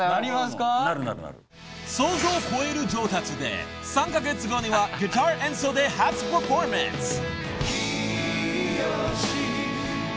［想像を超える上達で３カ月後にはギター演奏で初パフォーマンス］